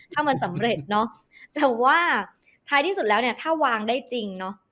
ถ้ามันสำเร็จเนอะแต่ว่าท้ายที่สุดแล้วเนี่ยถ้าวางได้จริงเนาะ